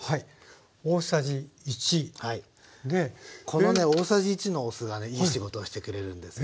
このね大さじ１のお酢がねいい仕事をしてくれるんですよ。